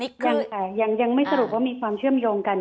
ที่เชื่อมโยงกันหรือยังคะเอาข้อมูลถึงนักตอนนี้